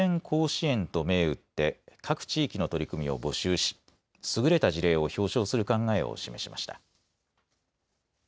甲子園と銘打って各地域の取り組みを募集し優れた事例を表彰する考えを示しました。